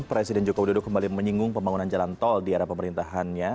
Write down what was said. presiden jokowi dodo kembali menyinggung pembangunan jalan tol di era pemerintahannya